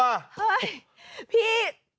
เฮ้ยพี่